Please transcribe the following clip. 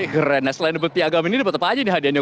keren nah selain debat piagam ini dapat apa aja nih hadiahnya